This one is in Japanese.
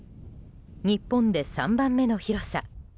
日本で３番目の広さ。